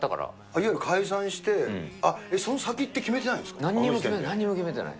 いわゆる解散して、なんにも決めてない、なんにも決めてない。